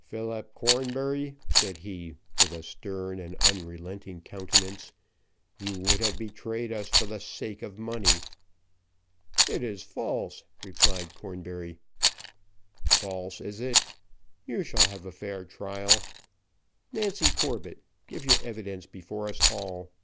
"Philip Cornbury," said he, with a stern and unrelenting countenance, "you would have betrayed us for the sake of money." "It is false," replied Cornbury. "False, is it? you shall have a fair trial. Nancy Corbett, give your evidence before us all."